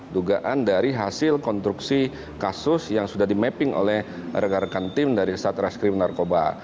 dugaan dari hasil konstruksi kasus yang sudah di mapping oleh rekan rekan tim dari satreskrim narkoba